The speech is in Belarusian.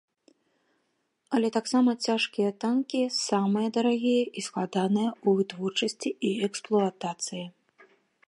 Але таксама цяжкія танкі самыя дарагія і складаныя ў вытворчасці і эксплуатацыі.